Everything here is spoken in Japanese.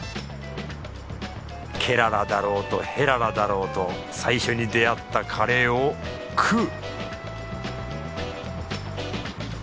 ケララだろうとヘララだろうと最初に出会ったカレーを食う！